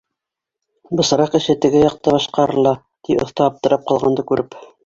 — Бысраҡ эше теге яҡта башҡарыла, — ти оҫта, аптырап ҡалғанды күреп.